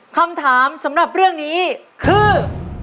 คำถามสำหรับเรื่องนี้คือ